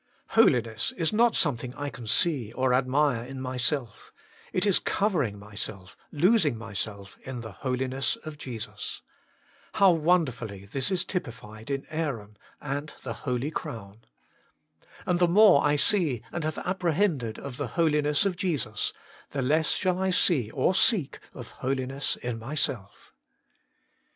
1, Holiness is not something I can see or admire in myself : it is covering myself, losing myself, in the Holiness of Jesus. How wonderfully this Is typified in Aaron and the holu crown. And the more I see and have appre 88 HOLY IN CHRIST. bended of the Holiness of Jesus, the leas shall I see or seek of holiness / myself.